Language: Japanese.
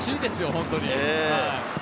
本当に。